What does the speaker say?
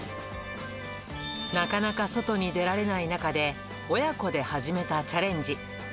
なかなか外に出られない中で、親子で始めたチャレンジ。